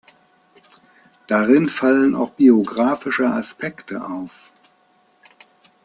Darin fallen auch biografische Aspekte auf.